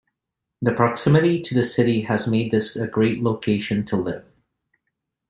The proximity to the City has made this a great location to live.